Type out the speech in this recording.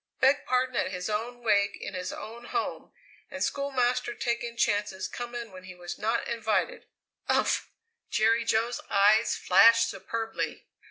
Beg pardon at his own wake in his own home, and Schoolmaster taking chances coming when he was not invited! Umph!" Jerry Jo's eyes flashed superbly.